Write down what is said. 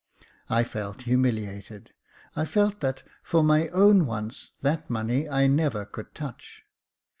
I felt humiliated — I felt that, for my own wants, that money I never could touch.